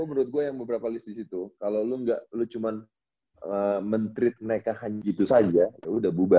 tapi menurut gua yang beberapa list di situ kalo lu gak lu cuman men treat mereka gitu saja lu udah bubar